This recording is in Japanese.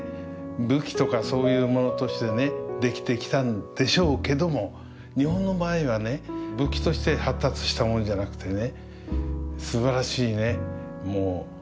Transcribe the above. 武器とかそういうものとしてね出来てきたんでしょうけども日本の場合はね武器として発達したものじゃなくてね